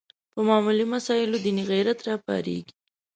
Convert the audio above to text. په معمولي مسایلو دیني غیرت راپارېږي